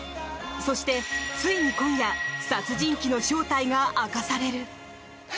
そして、ついに今夜殺人鬼の正体が明かされる。